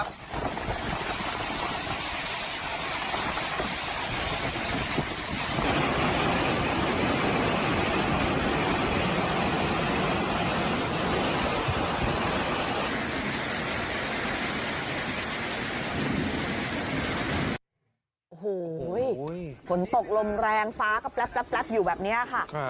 โอ้โหฝนตกลมแรงฟ้าก็แป๊บแป๊บแป๊บอยู่แบบเนี้ยค่ะครับ